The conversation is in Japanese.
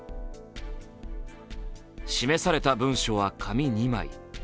示された文書は紙２枚。